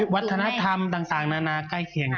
วัฒนธรรมต่างนานาใกล้เคียงกัน